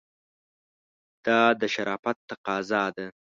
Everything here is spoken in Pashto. دا د شرافت تقاضا ده.